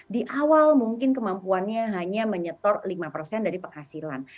di awal mungkin kemampuannya hanya menyetor lima persen dari penghasilan